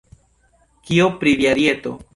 Kio pri via dieto?